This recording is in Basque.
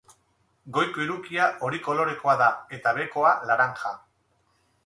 Goiko hirukia hori kolorekoa da eta behekoa laranja.